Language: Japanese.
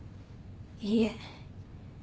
いいえ。